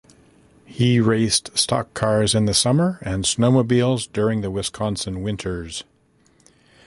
He raced stock cars in the summer and snowmobiles during the Wisconsin winters.